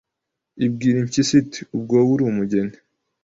Ibwira Impyisi iti Ubwo wowe uri umugeni